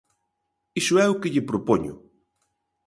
Iso é o que lle propoño.